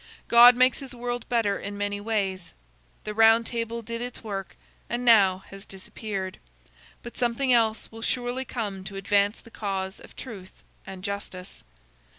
God makes his world better in many ways. The Round Table did its work and now has disappeared; but something else will surely come to advance the cause of truth and justice.